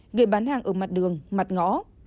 người bán hàng ở mặt đường mặt ngõ